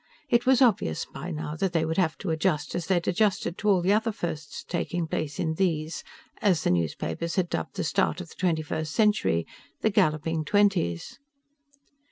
It was obvious by now that they would have to adjust as they'd adjusted to all the other firsts taking place in these as the newspapers had dubbed the start of the Twenty first Century the Galloping Twenties.